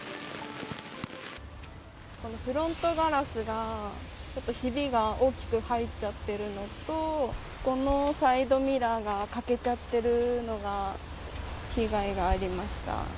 このフロントガラスが、ちょっとひびが大きく入っちゃってるのと、このサイドミラーが欠けちゃってるのが被害がありました。